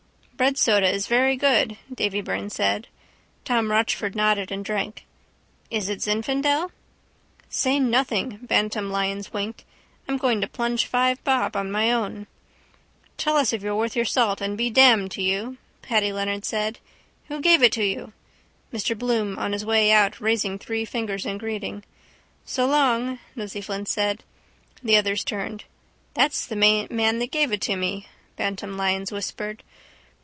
—Breadsoda is very good, Davy Byrne said. Tom Rochford nodded and drank. —Is it Zinfandel? —Say nothing! Bantam Lyons winked. I'm going to plunge five bob on my own. —Tell us if you're worth your salt and be damned to you, Paddy Leonard said. Who gave it to you? Mr Bloom on his way out raised three fingers in greeting. —So long! Nosey Flynn said. The others turned. —That's the man now that gave it to me, Bantam Lyons whispered.